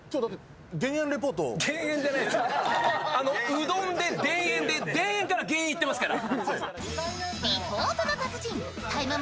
うどんで田園で田園から減塩いってますから。